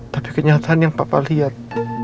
pada kenyataan yang papa lihat